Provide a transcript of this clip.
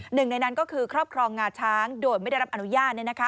หนึ่งในนั้นก็คือครอบครองงาช้างโดยไม่ได้รับอนุญาต